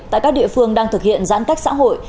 tại các địa phương đang thực hiện giãn cách xã hội